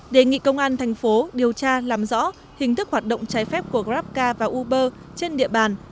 đề nghị công an tp điều tra làm rõ hình thức hoạt động trái phép của grab car và uber trên địa bàn